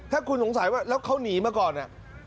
ถ้าคุณสงสัยว่าแล้วเขาหนีมาก่อน